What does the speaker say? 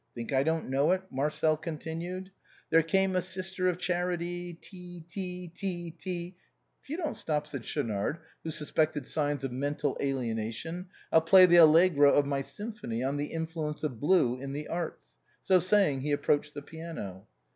"Think I don't know it?" Marcel continued :" There came a Sister of Charity — Ty! tyl tee! teell" " If you don't stop/' said Schaunard, who suspected signs of mental alienation, " I'll play the allegro of my symphony on ' The Influence of Blue in the Arts.' " So saying, he approached the piano.